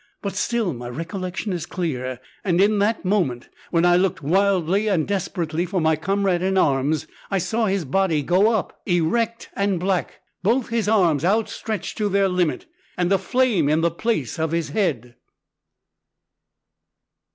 But still my recollection is clear; and in that moment when I looked wildly and desperately for my comrade in arms, I saw his body go up, erect and black, both his arms outstretched to their limit, and a flame in the place of his head!